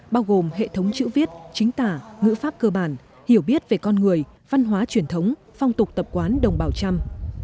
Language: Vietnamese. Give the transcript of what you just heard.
bao gồm hệ thống chữ viết chính tả ngữ pháp cơ bản hiểu biết về con người văn hóa truyền thống phong tục tập quán đồng bào trăm